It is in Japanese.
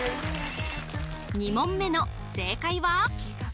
２問目の正解は？